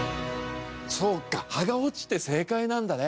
そうか葉が落ちて正解なんだね。